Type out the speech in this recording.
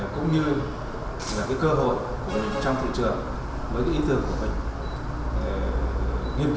cũng như là cơ hội của mình trong thị trường với ý tưởng của mình nghiêm kỳ